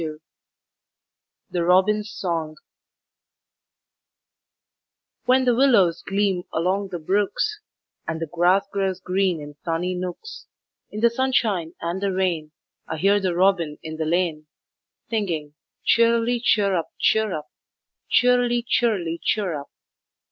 27 38 THE ROBIN'S SONG "When the willows gleam along the brooks, And the grass grows green in sunny nooks, In the sunshine and the rain I hear the robin in the lane Singing, 'Cheerily, Cheer up, cheer up; Cheerily, cheerily, Cheer up.'